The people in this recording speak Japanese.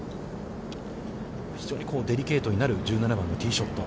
非常にデリケートになる１７番のティーショット。